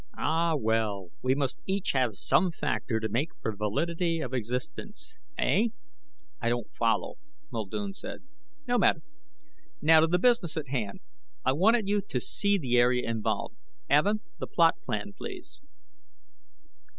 "Ah, well, we must each have some factor to make for validity of existence, eh?" "I don't follow," Muldoon said. "No matter. Now, to the business at hand. I wanted you to see the area involved. Evin, the plot plan, please."